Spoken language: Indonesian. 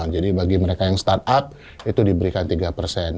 jadi bagi mereka yang start up itu diberikan tiga